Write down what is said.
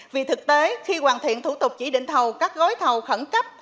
vì thực tế khi hoàn thiện thủ tục chỉ định thầu các gói thầu khẩn cấp